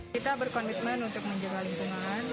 kita berkomitmen untuk menjaga lingkungan